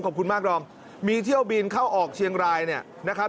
ขอบคุณมากดอมมีเที่ยวบินเข้าออกเชียงรายเนี่ยนะครับ